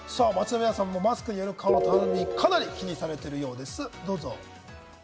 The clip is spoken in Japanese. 街の皆さんもマスクによる顔のたるみ、かなり気にされているようなんです。